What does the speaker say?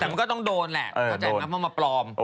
แต่มันก็ต้องโดนแหละเข้าใจไหมเพราะมาปลอม